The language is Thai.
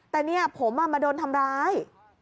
แต่เนี่ยผมมาโดนทำร้าย